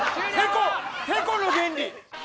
てこの原理。